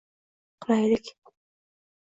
qilaylik